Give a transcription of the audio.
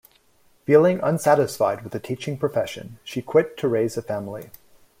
Feeling unsatisfied with the teaching profession, she quit to raise a family.